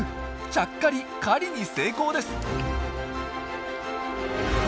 ちゃっかり狩りに成功です！